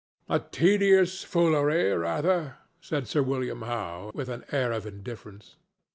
"A tedious foolery, rather," said Sir William Howe, with an air of indifference.